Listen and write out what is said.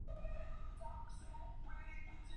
单穗桤叶树为桤叶树科桤叶树属下的一个种。